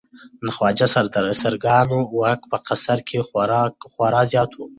د خواجه سراګانو واک په قصر کې خورا زیات و.